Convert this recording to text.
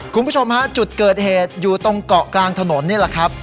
คุณผู้ชมฮะจุดเกิดเหตุอยู่ตรงเกาะกลางถนนนี่แหละครับ